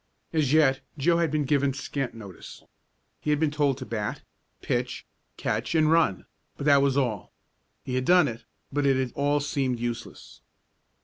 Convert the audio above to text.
As yet Joe had been given scant notice. He had been told to bat, pitch, catch and run, but that was all. He had done it, but it had all seemed useless.